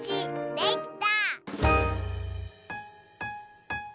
できた！